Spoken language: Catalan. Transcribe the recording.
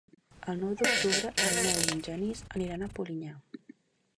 El nou d'octubre en Nel i en Genís aniran a Polinyà.